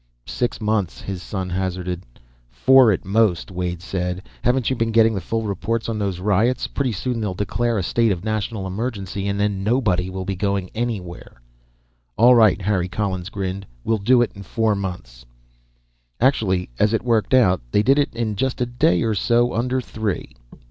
"Six months," his son hazarded. "Four, at most," Wade said. "Haven't you been getting the full reports on those riots? Pretty soon they'll declare a state of national emergency and then nobody will be going anywhere." "All right." Harry Collins grinned. "We'll do it in four months." Actually, as it worked out, they did it in just a day or so under three.